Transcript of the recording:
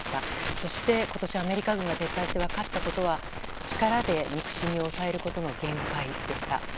そして、今年アメリカ軍が撤退して分かったことは力で憎しみを抑えることの限界でした。